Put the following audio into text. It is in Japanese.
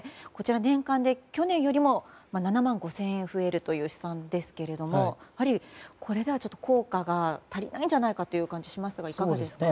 年間で去年よりも７万５０００円増えるという試算ですけれどもやはりこれでは効果が足りないんじゃないかという気がしますがいかがですか？